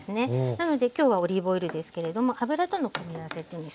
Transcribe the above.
なので今日はオリーブオイルですけれども油との組み合わせというのにすごくいいんですね。